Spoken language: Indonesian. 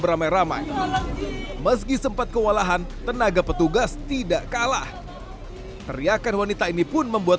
beramai ramai meski sempat kewalahan tenaga petugas tidak kalah teriakan wanita ini pun membuat